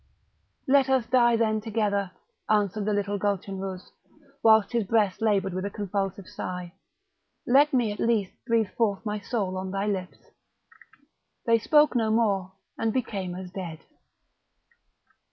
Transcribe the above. "Let us die then together," answered the little Gulchenrouz, whilst his breast laboured with a convulsive sigh; "let me at least breathe forth my soul on thy lips!" They spoke no more, and became as dead.